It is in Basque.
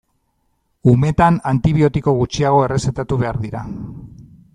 Umetan antibiotiko gutxiago errezetatu behar dira.